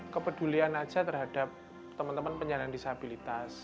kepedulian aja terhadap teman teman penyandang disabilitas